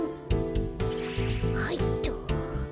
はいっと。